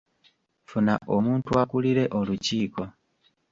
Funa omuntu akulire olukiiko.